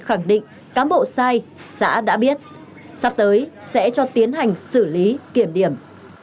khẳng định cán bộ sai xã đã biết sắp tới sẽ cho tiến hành xử lý kiểm điểm